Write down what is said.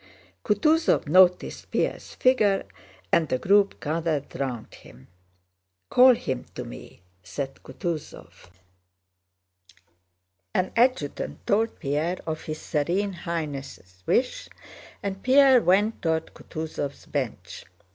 Kutúzov noticed Pierre's figure and the group gathered round him. "Call him to me," said Kutúzov. An adjutant told Pierre of his Serene Highness' wish, and Pierre went toward Kutúzov's bench.